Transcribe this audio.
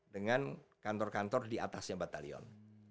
dengan kantor kantor di atasnya batalion